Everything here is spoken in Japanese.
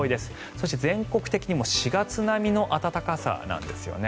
そして、全国的にも４月並みの暖かさなんですよね。